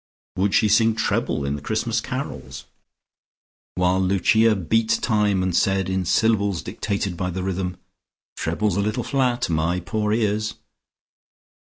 Would she sing treble in the Christmas Carols, while Lucia beat time, and said in syllables dictated by the rhythm, "Trebles a little flat! My poor ears!"?